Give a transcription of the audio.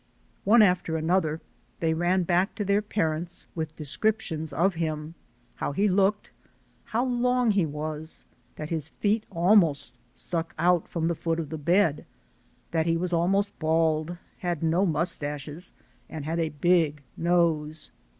One after another they ran back to their parents with descriptions of him, how he looked, how long he was, that his feet almost stuck out from the foot of the bed, that he was almost bald, had no mustaches, and had a big nose.